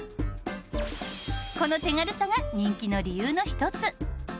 この手軽さが人気の理由の一つ。